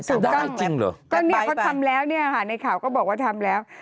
ทำได้จริงเหรอแป๊บไปก็นี่เขาทำแล้วนี่ค่ะในข่าวก็บอกว่าทำแล้ว